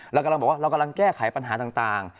เรากำลังบอกว่าเรากำลังแก้ไขปัญหาต่าง